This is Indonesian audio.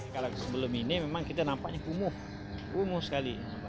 kalau sebelum ini memang kita nampaknya kumuh kumuh sekali